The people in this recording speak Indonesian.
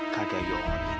kagak yohan ini